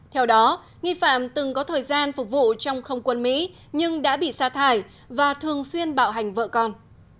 theo đó nghi phạm từng có thời gian phục vụ trong không quân mỹ nhưng đã bị xa thải và thường xuyên bạo hành vợ con